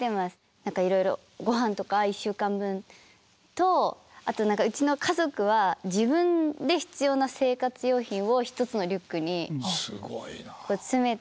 何かいろいろごはんとか１週間分とあと何かうちの家族は自分で必要な生活用品を１つのリュックに詰めて。